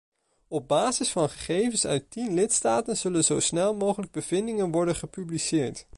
Op basis van gegevens uit tien lidstaten zullen zo snel mogelijk bevindingen worden gepubliceerd.